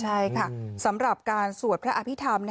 ใช่ค่ะสำหรับการสวดพระอภิษฐรรม